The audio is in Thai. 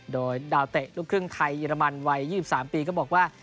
โดยดาวเตะลูกครึ่งไทยเยอรมันวัย๒๓ปีก็บอกว่า